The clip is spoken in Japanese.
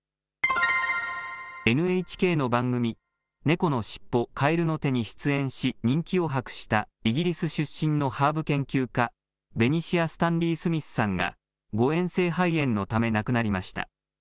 ＮＨＫの番組、猫のしっぽカエルの手に出演し人気を博したイギリス出身のハーブ研究家、ベニシア・スタンリー・スミスさんが誤えん性肺炎のため亡くなりました。